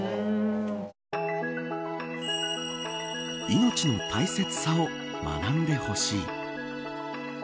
命の大切さを学んでほしい。